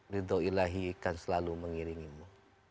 ridho ilahi kan selalu mengiringimu